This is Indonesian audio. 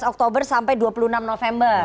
dua belas oktober sampai dua puluh enam november